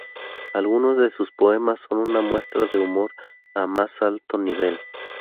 Algunos de sus poemas son una muestra de humor al más alto nivel.